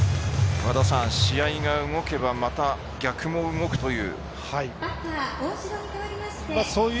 和田さん、試合が動けばまた逆も動くという。